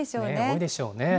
多いでしょうね。